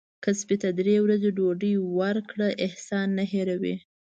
که سپي ته درې ورځې ډوډۍ ورکړه احسان نه هیروي.